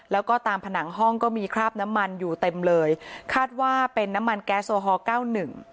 แล้วก็ตามผนังห้องก็มีคราบน้ำมันอยู่เต็มเลยคาดว่าเป็นน้ำมันแก๊สโอฮอลเก้าหนึ่ง